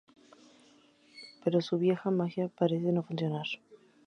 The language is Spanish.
Pero su vieja magia parece no funcionar.